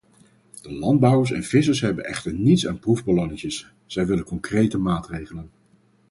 De landbouwers en vissers hebben echter niets aan proefballonnetjes, zij willen concrete maatregelen.